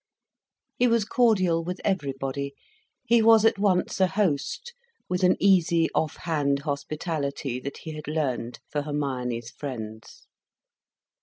He was cordial with everybody, he was at once a host, with an easy, offhand hospitality that he had learned for Hermione's friends.